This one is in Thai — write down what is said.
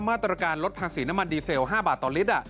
มาตรการลดภาษีน้ำมันดีเซล๕บาทต่อลิตร